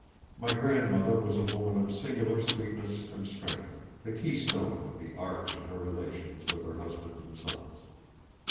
My grandmother was a woman of singular sweetness and strength, the keystone of the arch in her relations with her husband and sons.